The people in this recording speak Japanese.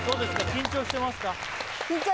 緊張してます？